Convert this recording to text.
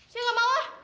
saya gak mau ah